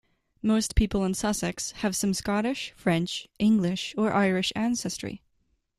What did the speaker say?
Most people in Sussex have some Scottish, French, English, or Irish ancestry.